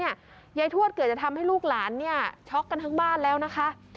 ยายทวดเกิดจะทำให้ลูกหลานเนี่ยช็อกกันทั้งบ้านแล้วนะคะ